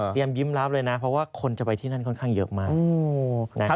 ยิ้มรับเลยนะเพราะว่าคนจะไปที่นั่นค่อนข้างเยอะมาก